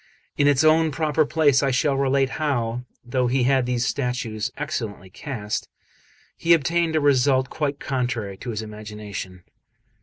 In its own proper place I shall relate how, though he had these statues excellently cast, he obtained a result quite contrary to his imagination.